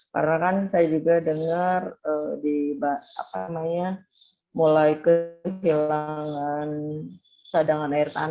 karena kan saya juga dengar di bahasa apa namanya mulai kehilangan sadangan air tanah